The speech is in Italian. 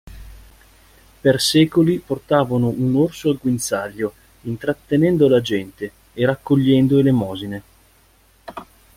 Per secoli portavano un orso al guinzaglio intrattenendo la gente e raccogliendo "elemosine".